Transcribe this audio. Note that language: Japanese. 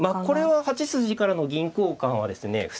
これは８筋からの銀交換はですね